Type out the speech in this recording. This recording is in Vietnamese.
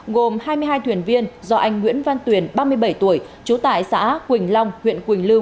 ngồm hai mươi hai thuyền viên do anh nguyễn văn tuyền ba mươi bảy tuổi chú tải xã quỳnh long huyện quỳnh lưu